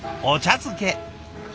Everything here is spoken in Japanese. お茶漬け。